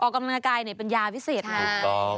กรณากายเป็นยาวิสิทธิ์นะครับถูกต้อง